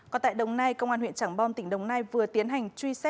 còn tại đồng nai công an huyện trảng bom tỉnh đồng nai vừa tiến hành